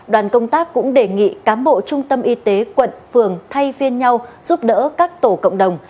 đoàn công tác cũng đề nghị cán bộ trung tâm y tế quận phường thay phiên nhau giúp đỡ các tổ cộng đồng